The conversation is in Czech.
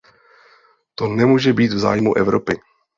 To nemůže být v zájmu Evropy.